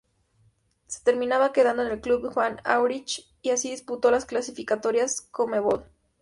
Se terminó quedando en el Club Juan Aurich y así disputó las clasificatorias Conmebol.